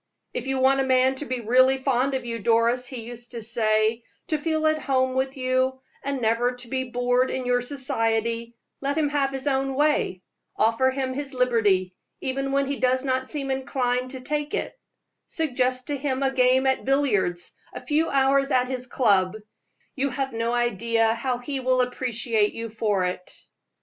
"If you want a man to be really fond of you, Doris," he used to say, "to feel at home with you, and never to be bored in your society, let him have his own way offer him his liberty, even when he does not seem inclined to take it; suggest to him a game at billiards, a few hours at his club you have no idea how he will appreciate you for it."